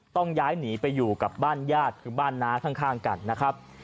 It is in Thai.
ต้องย้ายหนีไปอยู่กับบ้านญาติคือบ้านน้าข้างกันนะครับ